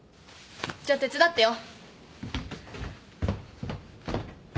じゃあ手伝ってよ。